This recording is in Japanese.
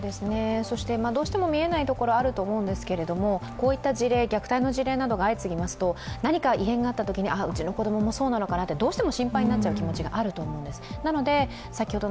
どうしても見えないところがあると思うんですけど、こういった虐待の事例などが相次ぎますと、何か異変があったときにうちの子供もそうなのかなとどうしても気になってしまうと思うんです。